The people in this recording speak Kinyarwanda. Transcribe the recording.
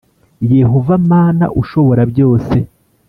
Yehova Mana ushobora byose